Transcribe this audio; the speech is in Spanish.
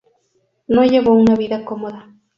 No llevó una vida cómoda.